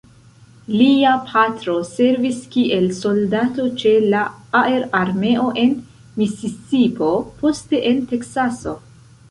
Lia patro servis kiel soldato ĉe la aerarmeo en Misisipo, poste en Teksaso.